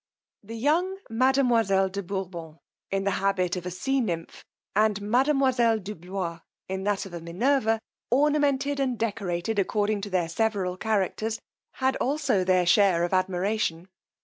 The young mademoiselle de Bourbon, in the habit of a sea nymph, and mademoiselle de Blois, in that of a Minerva, ornamented and decorated according to their several characters, had also their share of admiration.